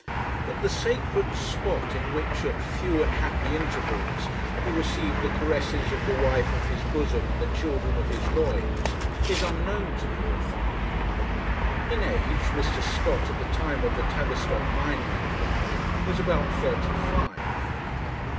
But the sacred spot, in which at few and happy intervals he received the caresses of the wife of his bosom and the children of his loins, is unknown to the author. In age, Mr. Scott, at the time of the Tavistock mining inquiry, was about thirty five.